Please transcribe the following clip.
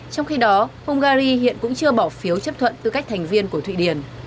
trong khi đó hungary hiện cũng chưa bỏ phiếu chấp thuận tư cách thành viên của thụy điển